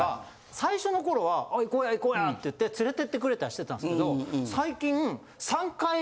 最初の頃は「行こうや行こうや」って言って連れて行ってくれたりしてたんですけど最近。